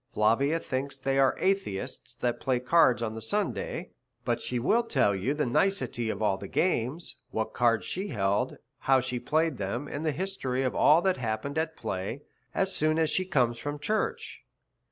Flavia thinks they are atheists that play at cards on the Sunday, but she will tell you the nicety of all the games, what cards she held, how she played them, and the history of all that happened at play, as soon as she comes from church.